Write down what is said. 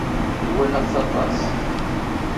Walaɣ-t aṭas.